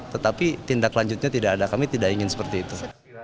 tetapi tindak lanjutnya tidak ada kami tidak ingin seperti itu